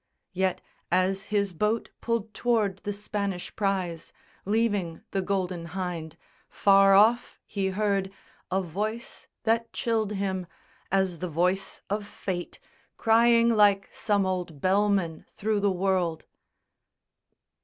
_" Yet as his boat pulled tow'rd the Spanish prize Leaving the Golden Hynde, far off he heard A voice that chilled him, as the voice of Fate Crying like some old Bellman through the world.